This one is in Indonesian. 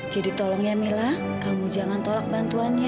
tolong ya mila kamu jangan tolak bantuannya